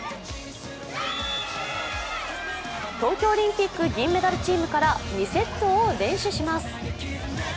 東京オリンピック、銀メダルチームから２セットを連取します。